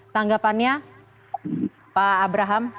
tanggapannya pak abraham